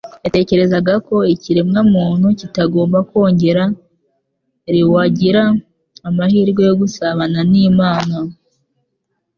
yatekerezaga ko ikiremwamuntu kitagomba kongera Iwgira amahirwe yo gusabana n'Imana.